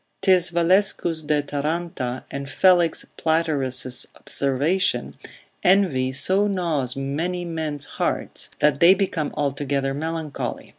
'Tis Valescus de Taranta, and Felix Platerus' observation, Envy so gnaws many men's hearts, that they become altogether melancholy.